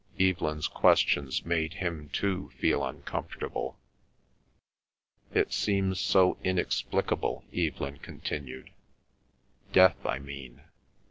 Evelyn's questions made him too feel uncomfortable. "It seems so inexplicable," Evelyn continued. "Death, I mean.